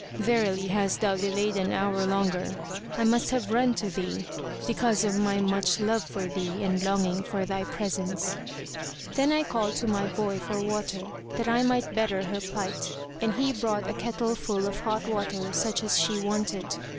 Verily, hadst thou delayed an hour longer, I must have run to thee, because of my much love for thee and longing for thy presence." Then I called to my boy for water, that I might better her plight, and he brought a kettle full of hot water such as she wanted.